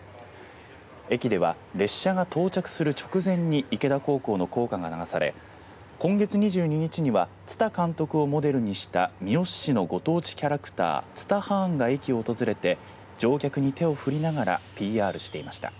駅では列車が到着する直前に池田高校の校歌が流され今月２２日には蔦監督をモデルにした三好市のご当地キャラクター、つたはーんが駅を訪れて乗客に手を振りながらＰＲしていました。